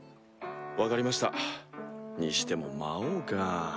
分かりましたにしても魔王か。